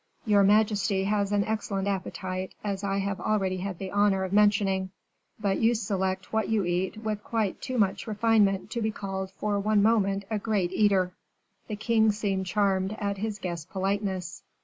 Your majesty has an excellent appetite, as I have already had the honor of mentioning, but you select what you eat with quite too much refinement to be called for one moment a great eater." The king seemed charmed at his guest's politeness.